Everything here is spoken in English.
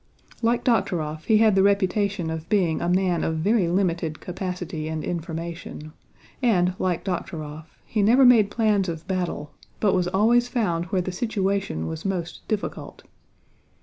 Like Dokhtúrov he had the reputation of being a man of very limited capacity and information, and like Dokhtúrov he never made plans of battle but was always found where the situation was most difficult.